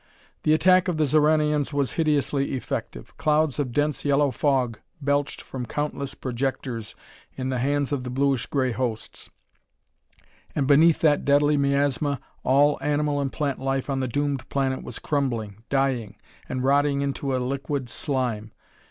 The attack of the Xoranians was hideously effective. Clouds of dense yellow fog belched from countless projectors in the hands of the bluish gray hosts, and beneath that deadly miasma all animal and plant life on the doomed planet was crumbling, dying, and rotting into a liquid slime.